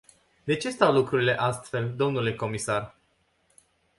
De ce stau lucrurile astfel, dle comisar?